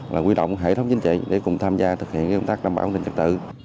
và quy động hệ thống chính trị để cùng tham gia thực hiện công tác bảo đảm an ninh trật tự